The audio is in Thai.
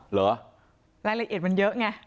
เหรอรายละเอียดมันเยอะไง